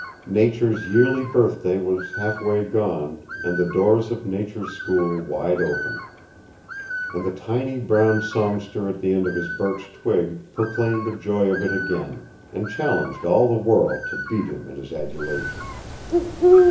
Nature's yearly birthday was half way gone, and the doors of nature's school wide open. And the tiny brown songster at the end of his birch twig proclaimed the joy of it again, and challenged all the world to beat him in his adulation.